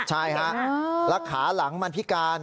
ใช่ฮะแล้วขาหลังมันพิการ